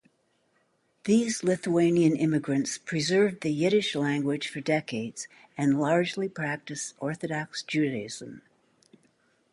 These Lithuanian immigrants preserved the Yiddish language for decades and largely practiced Orthodox Judaism.